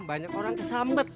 banyak orang kesambet